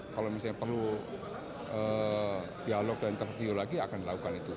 kalau misalnya perlu dialog dan interview lagi akan dilakukan itu